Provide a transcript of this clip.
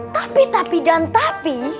tapi tapi dan tapi